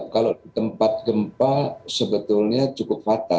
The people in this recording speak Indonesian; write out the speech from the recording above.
kalau tempat gempa sebetulnya cukup fatal